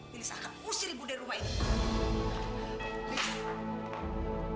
lilis akan usir ibu dari rumah itu